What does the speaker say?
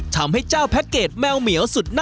ทำให้เจ้าแพ็กเกจแมวเหมียว